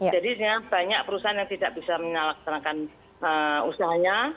jadi banyak perusahaan yang tidak bisa menyalakkan usahanya